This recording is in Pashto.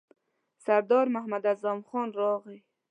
سردار محمد اعظم خان ورغی.